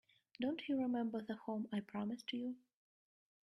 Don't you remember the home I promised you?